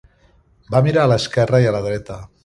Va mirar a l'esquerra i a la dreta.